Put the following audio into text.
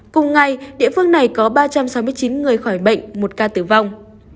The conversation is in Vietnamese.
cùng ngày địa phương này có ba trăm sáu mươi chín người khỏi bệnh một ca tử vong